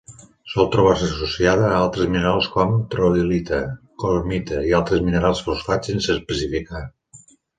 Sol trobar-se associada a altres minerals com: troilita, cromita i altres minerals fosfats sense especificar.